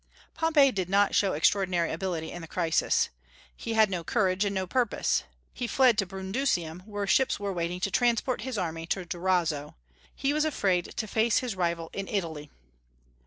Pompey did not show extraordinary ability in the crisis. He had no courage and no purpose. He fled to Brundusium, where ships were waiting to transport his army to Durazzo. He was afraid to face his rival in Italy.